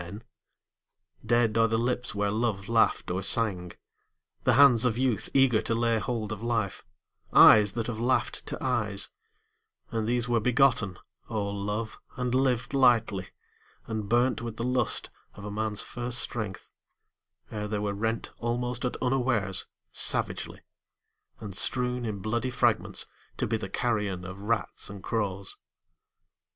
POETS MILITANT 271 Dead are the lips where love laughed or sang, The hands of youth eager to lay hold of life, Eyes that have laughed to eyes, And these were begotten, O Love, and lived lightly, and burnt With the lust of a man's first strength : ere they were rent, Almost at unawares, savagely ; and strewn In bloody fragments, to be the carrion Of rats and crows.